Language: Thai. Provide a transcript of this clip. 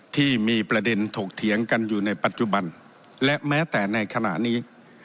ที่มีประเด็นถกเถียงกันอยู่ในปัจจุบันและแม้แต่ในขณะนี้